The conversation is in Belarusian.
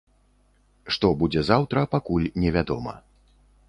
Што будзе заўтра, пакуль невядома.